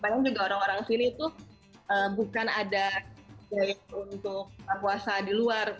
makanya juga orang orang sini tuh bukan ada jalan untuk tamu puasa di luar